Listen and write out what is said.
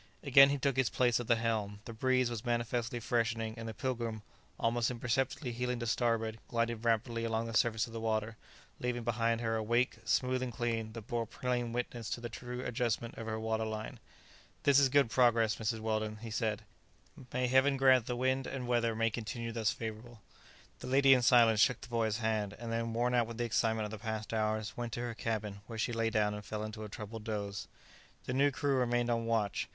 Again he took his place at the helm. The breeze was manifestly freshening, and the "Pilgrim," almost imperceptibly heeling to starboard, glided rapidly along the surface of the water, leaving behind her a wake, smooth and clean, that bore plain witness to the true adjustment of her water line. "This is good progress, Mrs. Weldon," he said; "may Heaven grant the wind and weather may continue thus favourable!" The lady, in silence, shook the boy's hand; and then, worn out with the excitement of the past hours, went to her cabin, where she lay down and fell into a troubled doze. The new crew remained on watch.